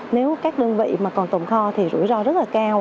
nếu các đơn vị mà còn tồn kho thì rủi ro rất là cao